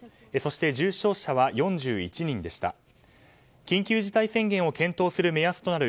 そして重症者は４１人でした。